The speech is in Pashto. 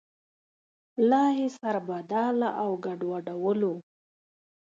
لا یې سربداله او ګډوډولو.